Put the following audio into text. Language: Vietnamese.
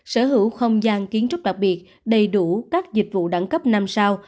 sở hữu không gian kiến trúc đặc biệt đầy đủ các dịch vụ đẳng cấp năm sao